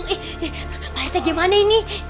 eh pak rete gimana ini